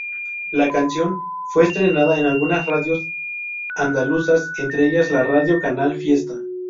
La canción, fue estrenada en algunas radios Andaluzas entre ellas la Radio Canal Fiesta.